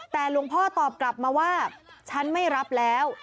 แต่หลวงพ่อตอบกลับมาว่าฉันไม่รับแล้ว